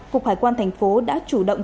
cục hải quan thành phố đã chủ động